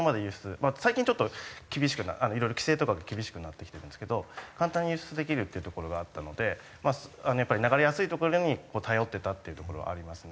まあ最近ちょっと厳しくいろいろ規制とかが厳しくなってきてるんですけど簡単に輸出できるっていうところがあったので流れやすいところに頼ってたっていうところはありますね。